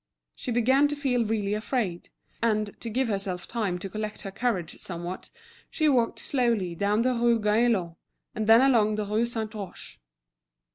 She began to feel really afraid, and, to give herself time to collect her courage somewhat, she walked slowly down the Rue Gaillon, and then along the Rue Saint Roch.